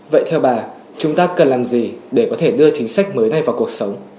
vậy theo bà chúng ta cần làm gì để có thể đưa chính sách mới này vào cuộc sống